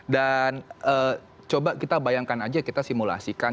coba kita bayangkan aja kita simulasikan